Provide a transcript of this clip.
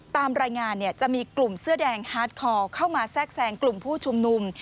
ตามรายงานจะมีกลุ่มเสื้อแดงฮาร์ดคอร์เข้ามาแทรกแซงกลุ่มผู้ชุมนุม